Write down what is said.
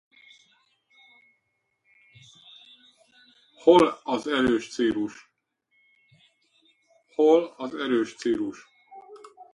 Hol az erős Cyrus?